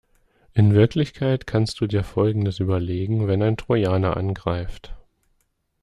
In Wirklichkeit kannst du dir folgendes überlegen wenn ein Trojaner angreift.